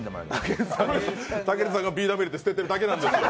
たけるさんがビー玉入れて捨ててるだけなんですよ。